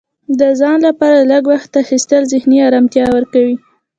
د ځان لپاره لږ وخت اخیستل ذهني ارامتیا ورکوي.